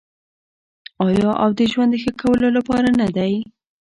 آیا او د ژوند د ښه کولو لپاره نه دی؟